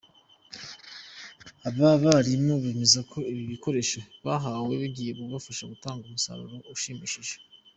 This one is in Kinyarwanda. Aba barimu bemeza ko ibi bikoresho bahawe bigiye kubafasha gutanga umusaruro ushimishije.